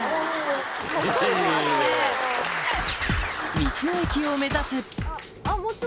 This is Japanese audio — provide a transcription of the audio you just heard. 道の駅を目指すあっ